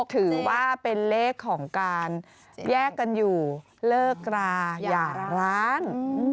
ถือว่าเป็นเลขของการแยกกันอยู่เลิกราอย่าร้าง